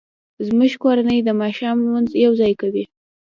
زموږ کورنۍ د ماښام لمونځ یوځای کوي